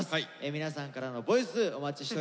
皆さんからのボイスお待ちしております。